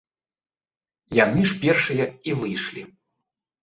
Яны ж першыя і выйшлі.